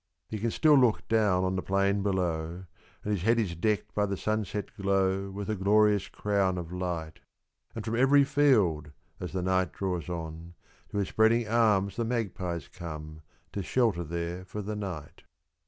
He can still look down on the plain below, And his head is decked by the sunset glow With a glorious crown of light; And from every field, as the night draws on, To his spreading arms the magpies come To shelter there for the night.